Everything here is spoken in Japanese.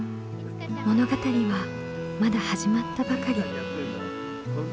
物語はまだ始まったばかり。